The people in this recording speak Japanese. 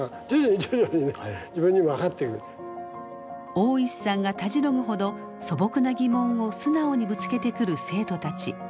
大石さんがたじろぐほど素朴な疑問を素直にぶつけてくる生徒たち。